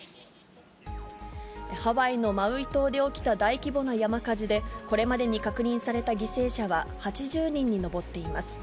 ハワイのマウイ島で起きた大規模な山火事で、これまでに確認された犠牲者は８０人に上っています。